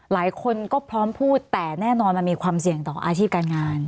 หลายคนก็พร้อมพูดแต่แน่นอนมันมีความเสี่ยงต่ออาชีพการงาน